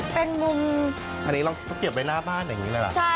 เป็นมุมอันนี้เราเก็บไว้หน้าบ้านอย่างนี้เลยล่ะ